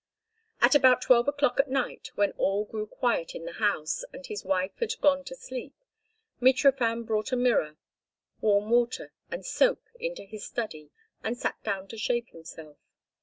At about twelve o'clock at night, when all grew quiet in the house, and his wife had gone to sleep, Mitrofan brought a mirror, warm water, and soap into his study and sat down to shave himself.